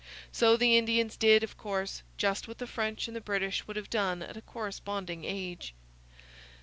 So the Indians did, of course, just what the French and the British would have done at a corresponding age.